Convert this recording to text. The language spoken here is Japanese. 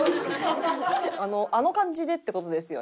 あの感じでって事ですよね。